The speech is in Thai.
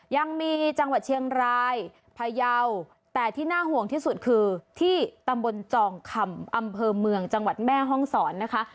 ยังมีจังหวัดเชียงรายพยาวแต่ที่น่าห่วงที่สุดคือที่ตำบลจองคำอำเภอเมืองจังหวัดแม่ห้องศรนะคะ